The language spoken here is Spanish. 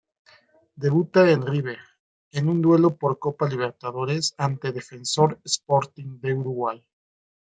Debuta en River en un duelo por Copa Libertadores ante Defensor Sporting de Uruguay.